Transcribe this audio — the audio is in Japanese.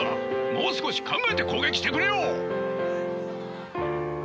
もう少し考えて攻撃してくれよ！